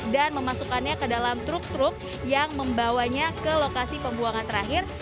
dan memasukkannya ke dalam truk truk yang membawanya ke lokasi pembuangan terakhir